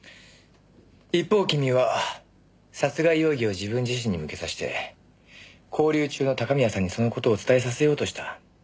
一方君は殺害容疑を自分自身に向けさせて拘留中の高宮さんにその事を伝えさせようとした。